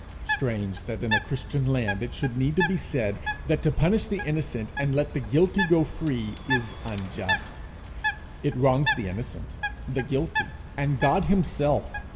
Strange that in a Christian land it should need to be said, that to punish the innocent and let the guilty go free is unjust! It wrongs the innocent, the guilty, and God himself.